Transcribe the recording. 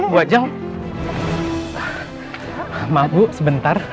bu ajeng maaf bu sebentar